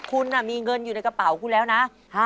คุณมีเงินอยู่ในกระเป๋าคุณแล้วนะ